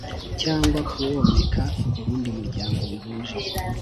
cyangwa kuwomeka kuwundi muryango bihuje